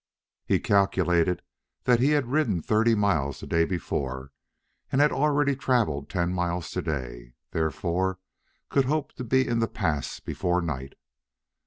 He calculated that he had ridden thirty miles the day before and had already traveled ten miles today, and therefore could hope to be in the pass before night.